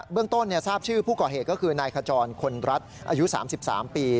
เรื่องต้นทราบชื่อผู้ก่อเหตุก็คือนายขจรคนรัฐอายุ๓๓ปี